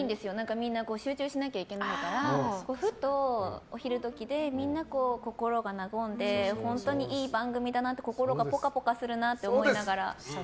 みんな集中しなきゃいけないからふと、お昼時でみんな心が和んで本当にいい番組だなって心がぽかぽかするなと思いながら。